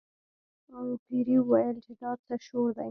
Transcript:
پیري وویل چې دا څه شور دی.